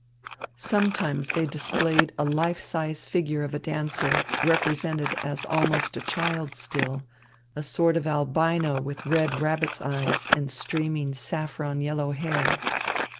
Sometimes they displayed a life size figure of a dancer, represented as almost a child still, a sort of albino with red rabbit's eyes and streaming saffron yellow hair.